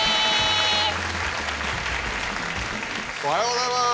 おはようございます。